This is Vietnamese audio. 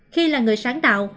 khi là người sáng tạo